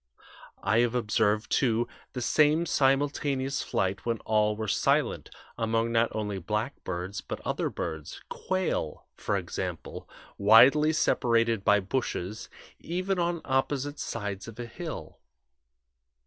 I have observed, too, the same simultaneous flight when all were silent, among not only blackbirds, but other birds quail, for example, widely separated by bushes even on opposite sides of a hill.